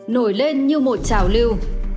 nổi lên như một trào lưu